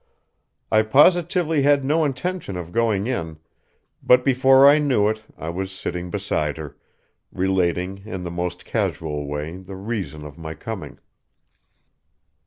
I positively had no intention of going in, but before I knew it I was sitting beside her, relating in the most casual way the reason of my coming.